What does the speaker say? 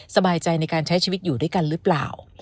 สบายใจในการใช้ชีวิตอยู่ด้วยกันหรือเปล่า